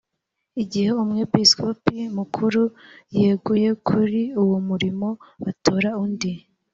igihe umwepisikopi mukuru yeguye kuri uwo murimo batora undi.